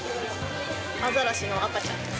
アザラシの赤ちゃんです。